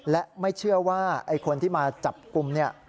และไม่เชื่อว่าไอ้คนที่มาจับกลุ่มเนี่ย